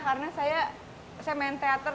karena saya main teater